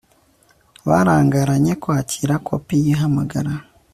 barangaranye kwakira kopi y ihamagara